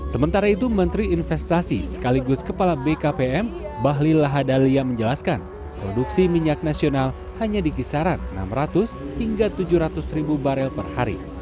sementara itu menteri investasi sekaligus kepala bkpm bahlil lahadalia menjelaskan produksi minyak nasional hanya di kisaran enam ratus hingga tujuh ratus ribu barel per hari